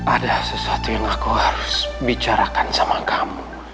ada sesuatu yang aku harus bicarakan sama kamu